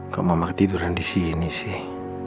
kok mama ketiduran disini sih